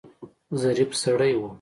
ظریف سړی و.